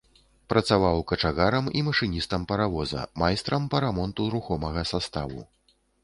Працаваў качагарам і машыністам паравоза, майстрам па рамонту рухомага саставу.